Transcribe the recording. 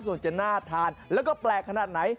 ส่วนจะน่าทานแล้วก็แปลกขนาดไหน